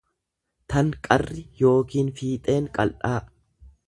tan qarri yookiin fiixeen qal'aa.